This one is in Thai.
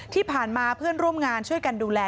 ที่ผ่านมาเพื่อนร่วมงานช่วยกันดูแล